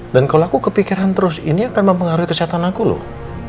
dan kalau aku kepikiran terus ini akan mempengaruhi kesehatan aku loh